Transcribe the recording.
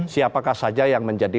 siapakah saja yang menjadi